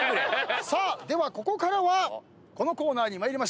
ではここからはこのコーナーに参りましょう。